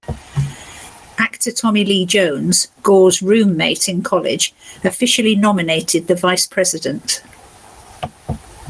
Actor Tommy Lee Jones, Gore's roommate in college, officially nominated the Vice President.